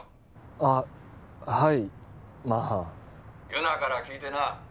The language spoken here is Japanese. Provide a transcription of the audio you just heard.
あはいまあ☎優菜から聞いてな